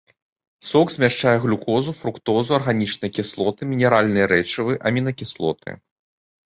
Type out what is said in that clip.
Сок змяшчае глюкозу, фруктозу, арганічныя кіслоты, мінеральныя рэчывы, амінакіслоты.